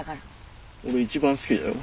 俺一番好きだよ